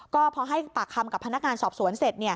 ก็พอให้ปากคำกับพนักงานสอบสวนเสร็จ